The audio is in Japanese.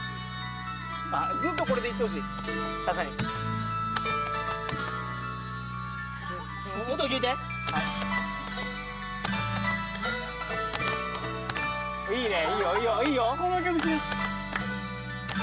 ずっとこれでいってほしい確かに音聴いていいねいいよいいよ